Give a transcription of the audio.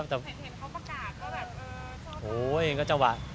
เห็นเขาประกาศเขาแบบเออโอ้โหยังก็จังหวะ